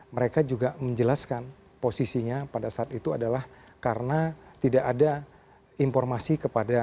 mereka juga menjelaskan posisinya pada saat itu adalah karena tidak ada informasi kepada